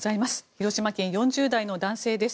広島県４０代の男性です。